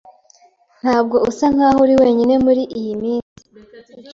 Ntabwo usa nkaho uri wenyine muriyi minsi.